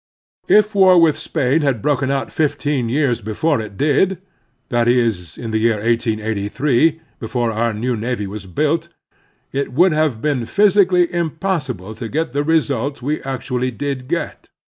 If war with Spain had broken out fifteen years before it did, — ^that is, in the year 1883, before our new navy was built, — it would have been physically impossible to get the results we actually did get.